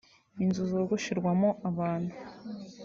inzu zogosherwamo abantu